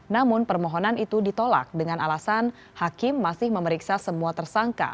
namun permohonan itu ditolak dengan alasan hakim masih memeriksa semua tersangka